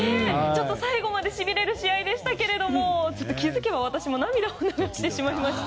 最後までしびれる試合でしたけれども気づけば私も涙を流してしまいました。